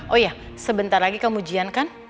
oh ya sebentar lagi kamu ujian kan